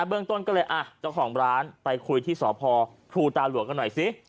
เรื่องต้นก็เลยอ่ะเจ้าของร้านไปคุยที่สพภูตาหลวงกันหน่อยสิ